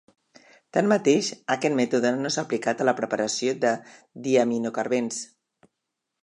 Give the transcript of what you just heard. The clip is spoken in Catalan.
Tanmateix, aquest mètode no s'ha aplicat a la preparació de diaminocarbens.